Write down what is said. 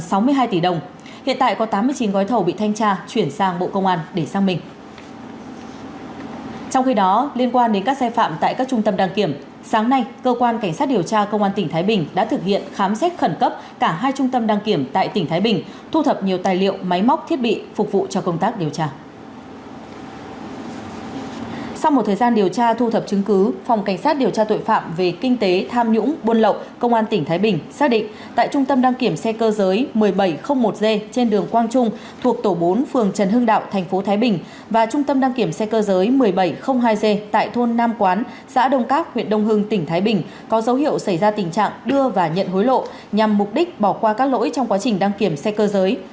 sau một thời gian điều tra thu thập chứng cứ phòng cảnh sát điều tra tội phạm về kinh tế tham nhũng buôn lậu công an tỉnh thái bình xác định tại trung tâm đăng kiểm xe cơ giới một nghìn bảy trăm linh một g trên đường quang trung thuộc tổ bốn phường trần hưng đạo tp thái bình và trung tâm đăng kiểm xe cơ giới một nghìn bảy trăm linh hai g tại thôn nam quán xã đông cáp huyện đông hưng tỉnh thái bình có dấu hiệu xảy ra tình trạng đưa và nhận hối lộ nhằm mục đích bỏ qua các lỗi trong quá trình đăng kiểm xe cơ giới